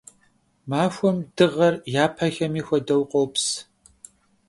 Maxuem dığer, yapexemi xuedeu, khops.